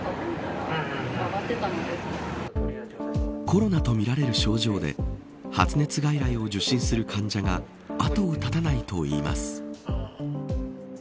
コロナとみられる症状で発熱外来を受診する患者が後を絶たないといいます。